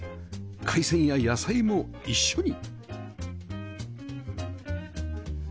海鮮や野菜も一緒に